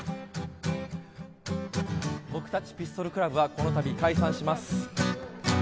「僕たちピストルクラブはこのたび解散します」